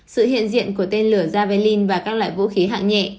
sự hiện diện của tên lửa javalin và các loại vũ khí hạng nhẹ